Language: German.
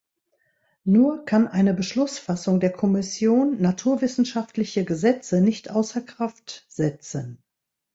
Nur kann eine Beschlussfassung der Kommission naturwissenschaftliche Gesetze nicht außer Kraft setzen.